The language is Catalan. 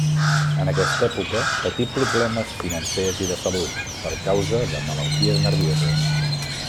En aquesta època, patí problemes financers i de salut, per causa de malalties nervioses.